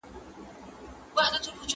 ¬ تر چړې ئې لاستی دروند سو.